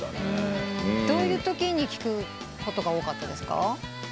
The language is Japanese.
どういうときに聴くことが多かったですか？